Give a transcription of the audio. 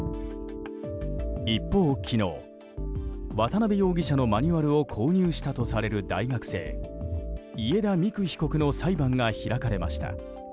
一方、昨日、渡辺容疑者のマニュアルを購入したとされる大学生、家田美空被告の裁判が開かれました。